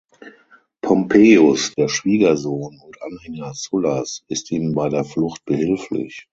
Pompeius, der Schwiegersohn und Anhänger Sullas, ist ihm bei der Flucht behilflich.